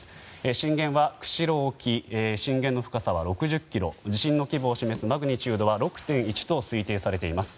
震源は釧路沖震源の深さは６０ｋｍ地震の規模を示すマグニチュードは６．１と推定されています。